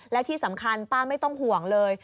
และที่สำคัญป้าไม่ต้องห่วงเลย